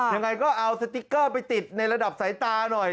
ยังไงก็เอาสติ๊กเกอร์ไปติดในระดับสายตาหน่อย